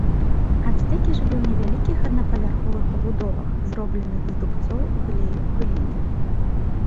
Ацтэкі жылі ў невялікіх аднапавярховых пабудовах, зробленых з дубцоў, глею, гліны.